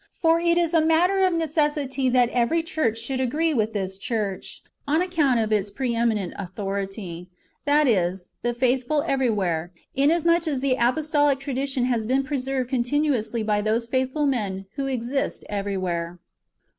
For it is a matter of necessity that every church should agree with this church, on account of its pre eminent authority,^ that is, the faithful everywhere, inasmuch as the apostolical tradition has been preserved continuously by those [faithful men] who exist everywhere.